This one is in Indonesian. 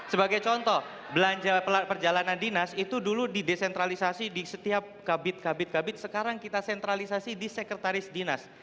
sebagai contoh belanja perjalanan dinas itu dulu didesentralisasi di setiap kabit kabit kabit sekarang kita sentralisasi di sekretaris dinas